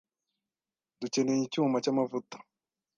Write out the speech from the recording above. Dukeneye icyuma cyamavuta.